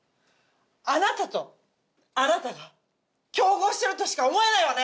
あなたとあなたが共謀してるとしか思えないわね。